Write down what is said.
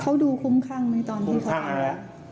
เขาดูคุ้มข้างไหมตอนนี้